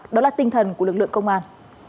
đó là tinh thần của lực lượng công an